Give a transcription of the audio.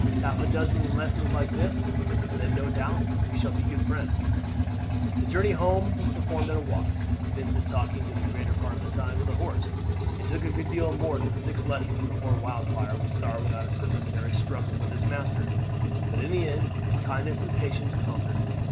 Half a dozen lessons like this, and then no doubt we shall be good friends." The journey home was performed at a walk, Vincent talking the greater part of the time to the horse. It took a good deal more than six lessons before Wildfire would start without a preliminary struggle with his master, but in the end kindness and patience conquered.